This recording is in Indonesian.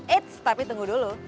eits tapi tunggu dulu